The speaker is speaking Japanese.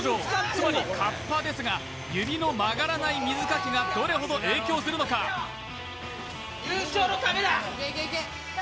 つまりカッパですが指の曲がらない水かきがどれほど影響するのか優勝のためだ！